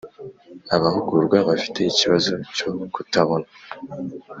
Abahugurwa bafite ikibazo cyo kutabona